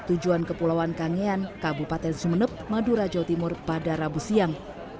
tujuan kepulauan kangean kabupaten sumeneb madura jawa timur pada rabu siang